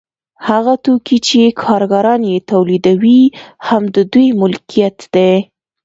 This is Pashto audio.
هغه توکي چې کارګران یې تولیدوي هم د دوی ملکیت دی